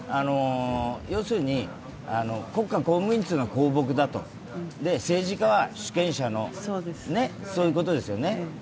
要するに国家公務員というのは公僕だと、政治家は主権者の、そういうことですよね。